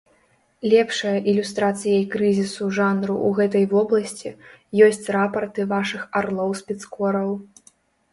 Лепшая ілюстрацыяй крызісу жанру ў гэтай вобласці, ёсць рапарты вашых арлоў-спецкораў.